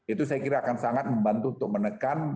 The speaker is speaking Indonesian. itu saya kira akan sangat membantu untuk menekan